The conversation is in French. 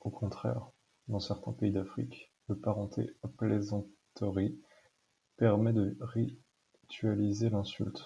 Au contraire, dans certains pays d'Afrique, la parenté à plaisanterie permet de ritualiser l'insulte.